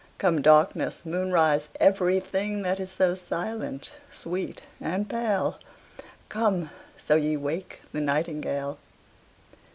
Come darkness, moonrise, every thing That is so silent, sweet, and pale: Come, so ye wake the nightingale.